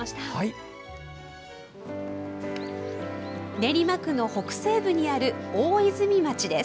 練馬区の北西部にある大泉町です。